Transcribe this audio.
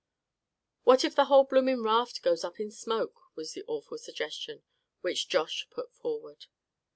"What if the whole blooming raft goes up in smoke?" was the awful suggestion which Josh put forward.